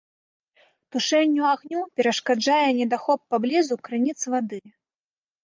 Тушэнню агню перашкаджае недахоп паблізу крыніц вады.